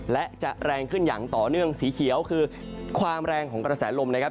และจะแรงขึ้นอย่างต่อเนื่องสีเขียวคือความแรงของกระแสลมนะครับ